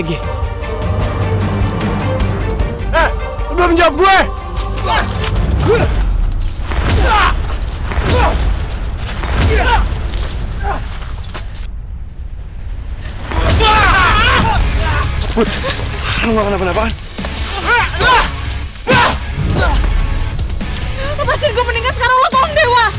gimana keadaan anak tante